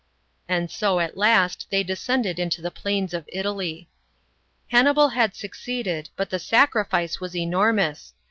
And so, at last they descended into the plains of Italy. Hannibal had succeeded, but tbe sacrifice was enormous.